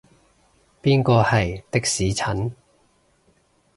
邊個係的士陳？